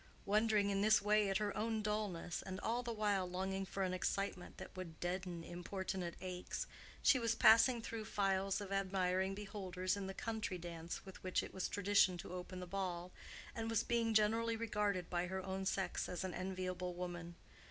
Wondering in this way at her own dullness, and all the while longing for an excitement that would deaden importunate aches, she was passing through files of admiring beholders in the country dance with which it was traditional to open the ball, and was being generally regarded by her own sex as an enviable woman.